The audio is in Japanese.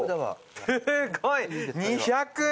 すごい２００円。